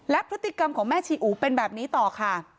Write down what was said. และพฤติกรรมของแม่ชีอู๋เป็นแบบนี้ต่อค่ะ